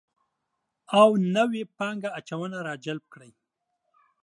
او نوې پانګه اچونه راجلب کړي